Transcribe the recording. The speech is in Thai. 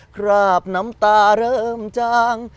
คราบน้ำตาเริ่มจาง